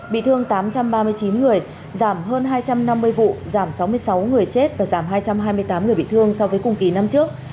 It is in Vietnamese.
bị thương tám trăm ba mươi chín người giảm hơn hai trăm năm mươi vụ giảm sáu mươi sáu người chết và giảm hai trăm hai mươi tám người bị thương so với cùng kỳ năm trước